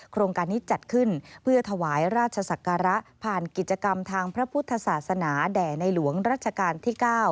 โครงการนี้จัดขึ้นเพื่อถวายราชศักระผ่านกิจกรรมทางพระพุทธศาสนาแด่ในหลวงรัชกาลที่๙